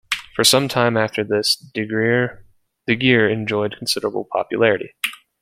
For some time after this De Geer enjoyed considerable popularity.